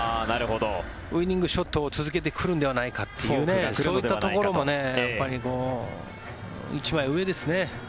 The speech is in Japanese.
ウィニングショットを続けてくるのではないかというそういったところも１枚上ですね。